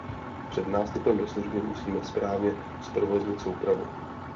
Před nástupem do služby musíte správně zprovoznit soupravu.